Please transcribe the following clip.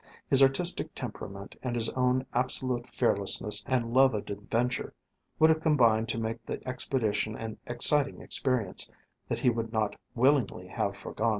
His artistic temperament and his own absolute fearlessness and love of adventure would have combined to make the expedition an exciting experience that he would not willingly have foregone.